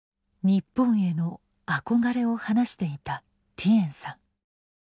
日本への憧れを話していたティエンさん。